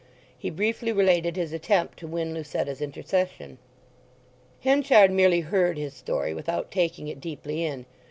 He briefly related his attempt to win Lucetta's intercession. Henchard merely heard his story, without taking it deeply in.